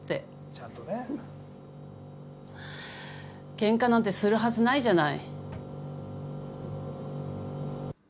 ケンカなんてするはずないじゃない。